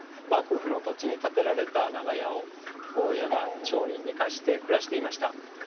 幕府の土地に建てられた長屋を大家が町人に貸して暮らしていました。